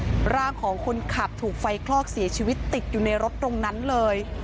ที่เบาะคนขับเลยร่างของคนขับถูกไฟคลอกเสียชีวิตติดอยู่ในรถตรงนั้นเลย